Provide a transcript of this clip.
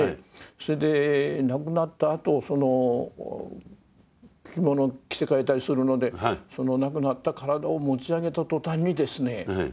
それで亡くなったあと着物を着せ替えたりするので亡くなった体を持ち上げた途端にですね